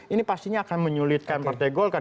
ini pastinya akan menyulitkan partai golkar